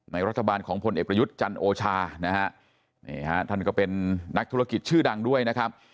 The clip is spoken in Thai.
รัฐบาลของพลเอกประยุทธ์จันโอชานะฮะนี่ฮะท่านก็เป็นนักธุรกิจชื่อดังด้วยนะครับ